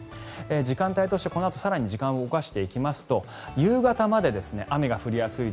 時間帯として、このあと時間を更に動かしていきますと夕方まで雨が降りやすい